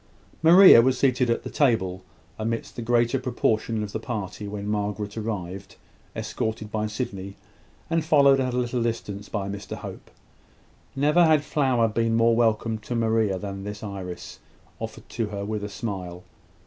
Maria was seated at the table, amidst the greater proportion of the party, when Margaret arrived, escorted by Sydney, and followed at a little distance by Mr Hope. Never had flower been more welcome to Maria than this iris, offered to her with a smile.